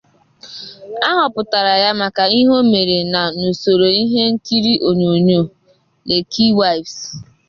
A hoputara ya maka ịhe ọmere na n’usoro ihe nkiri oyonyo ‘Lekki Wives’.